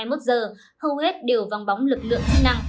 hầu hết đều vòng bóng lực lượng chức năng